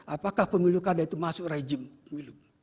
apakah pemilu kadah itu masuk rejim pemilu